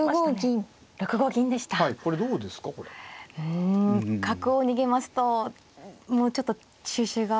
うん角を逃げますともうちょっと収拾が。